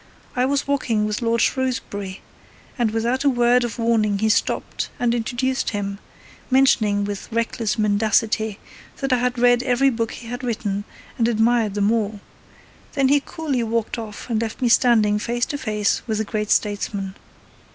I was walking with Lord Shrewsbury, and without a word of warning he stopped and introduced him, mentioning with reckless mendacity that I had read every book he had written and admired them all, then he coolly walked off and left me standing face to face with the great statesman.